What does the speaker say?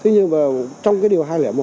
nhưng mà trong cái điều hai trăm linh một